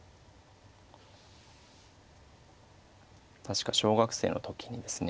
確か小学生の時にですね